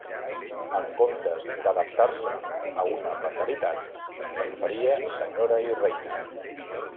En comptes d'adaptar-se a una fatalitat, se'n faria senyora i reina.